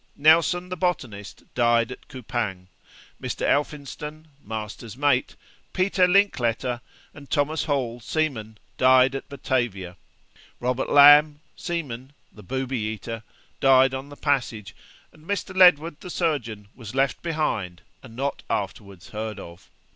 Nelson, the botanist, died at Coupang; Mr. Elphinstone, master's mate, Peter Linkletter and Thomas Hall, seamen, died at Batavia; Robert Lamb, seaman (the booby eater), died on the passage; and Mr. Ledward, the surgeon, was left behind, and not afterwards heard of.